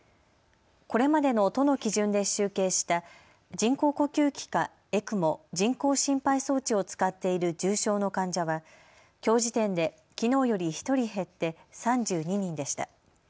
これまでの都の基準で集計した人工呼吸器かＥＣＭＯ・人工心肺装置を使っている重症の患者はきょう時点できのうより１人減って３２人でした。